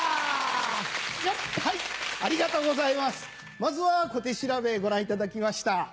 まずは小手調べご覧いただきました。